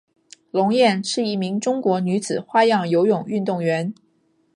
龙艳是一名中国女子花样游泳运动员。